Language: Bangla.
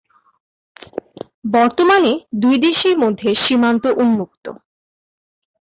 বর্তমানে দুই দেশের মধ্যে সীমান্ত উন্মুক্ত।